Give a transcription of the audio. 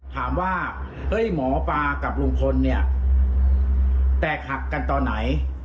ถามว่าหมอปลากับลุงพลเนี่ยแตกหักกันตอนไหน